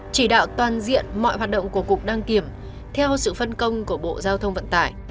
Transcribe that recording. chỉ đạo toàn diện mọi hoạt động của cục đăng kiểm theo sự phân công của bộ giao thông vận tải